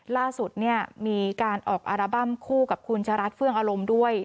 ล่าสุดเนี่ยมีการออกอัลบั้มคู่กับคุณชะรัฐเฟื่องอารมณ์ด้วย